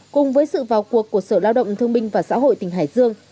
cùng với sự vào cuộc của sở lao động thương minh và xã hội tỉnh hải dương